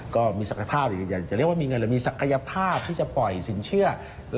ก็มีศักยภาพอยากจะเรียกว่ามีเงินหรือมีศักยภาพที่จะปล่อยสินเชื่อ